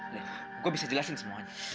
leh gue bisa jelasin semuanya